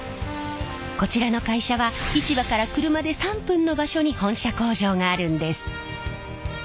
こちらの会社は市場から車で３分の場所に本社工場があるんです。